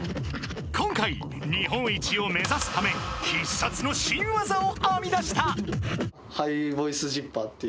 ［今回日本一を目指すため必殺の新技を編み出した］